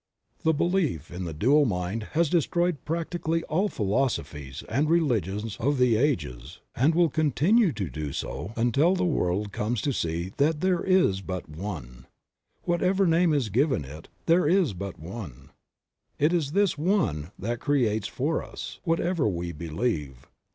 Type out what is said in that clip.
The belief in the dual mind has destroyed practically all philosophies and religions of the ages, and will continue to do so until the world comes to see that there is but One. Whatever name is given it there is but One. It is this One that creates for us, what ever we believe.